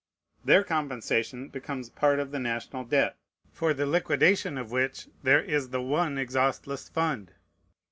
Their compensation becomes part of the national debt, for the liquidation of which there is the one exhaustless fund.